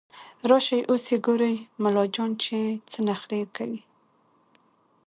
راشئ اوس يې ګورئ ملا جان چې څه نخروې کوي